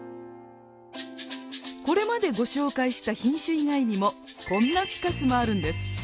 これまでご紹介した品種以外にもこんなフィカスもあるんです。